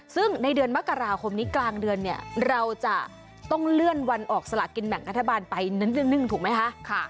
ซึ่งในเดือนมกราคมนี้กลางเดือนเนี่ยเราจะต้องเลื่อนวันออกสลากินแบ่งรัฐบาลไปเน้นถูกไหมคะ